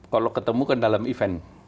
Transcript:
kalau ketemu kan dalam event